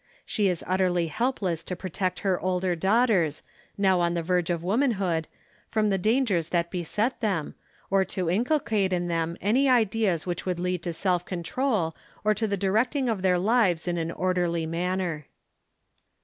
She is utterly help less to protect her older daughters, now on the verge of womanhood, from the dangers that beset them, or to inculcate in them any ideas which would lead to self WHAT IT MEANS 67 control or to the directing of their lives in an orderly manner.